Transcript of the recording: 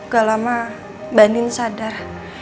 gak lama bandin sadar